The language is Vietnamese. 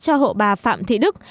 cho hộ bà phạm thị đức